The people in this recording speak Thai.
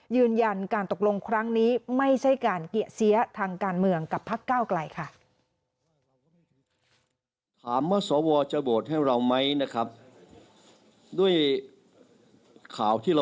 ยืนยันการตกลงครั้งนี้ไม่ใช่การเกะเสียทางการเมืองกับพักเก้าไกลค่ะ